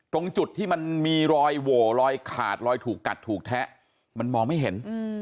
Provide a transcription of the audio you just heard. ตรงจุดที่มันมีรอยโหว่รอยขาดรอยถูกกัดถูกแทะมันมองไม่เห็น